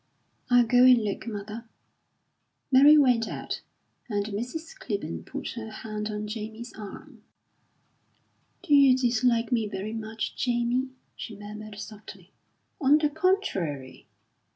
"I'll go and look, mother." Mary went out, and Mrs. Clibborn put her hand on Jamie's arm. "Do you dislike me very much, Jamie?" she murmured softly. "On the contrary!"